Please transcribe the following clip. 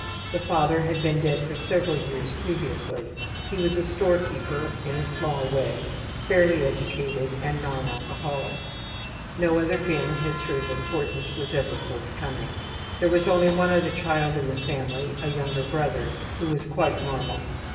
The father had been dead for several years previously; he was a storekeeper in a small way, fairly educated and non alcoholic. No other family history of importance was ever forthcoming. There was only one other child in the family, a younger brother, who was quite normal.